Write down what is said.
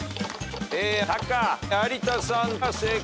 タカ有田さんが正解。